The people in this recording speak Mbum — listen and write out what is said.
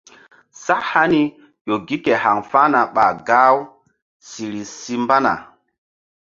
Sak hani ƴo gi ke haŋ fa̧hna ɓa gah u siri si mbana.